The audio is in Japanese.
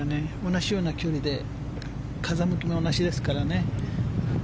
同じような距離で風向きも同じですからね。